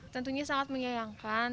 tentunya sangat menyayangkan